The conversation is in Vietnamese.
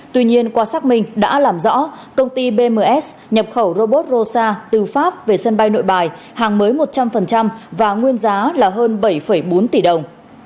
tuy nhiên qua xác minh đã làm rõ công ty bms nhập khẩu robot rosa từ pháp về sân bay nội bài hàng mới một trăm linh và nguyên giá là hơn bảy bốn tỷ đồng